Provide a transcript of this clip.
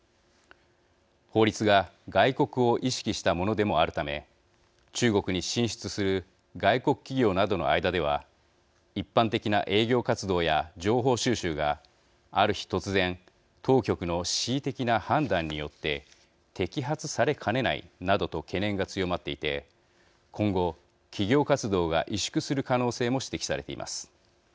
法律が外国を意識したものでもあるため中国に進出する外国企業などの間では一般的な営業活動や情報収集がある日、突然当局の恣意的な判断によって摘発されかねないなどと懸念が強まっていて今後、企業活動が萎縮する可能性も指摘されています。